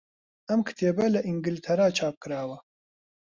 ئەم کتێبە لە ئینگلتەرا چاپکراوە.